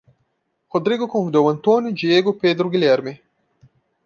Rodrigo convidou Antônio, Diego, Pedro, Guilherme